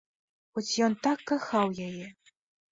Хоць ён так кахаў яе!